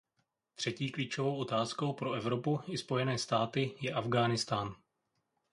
Třetí klíčovou otázkou pro Evropu i Spojené státy je Afghánistán.